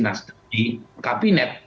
nasdem di kabinet